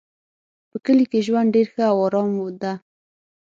په کلي کې ژوند ډېر ښه او آرام ده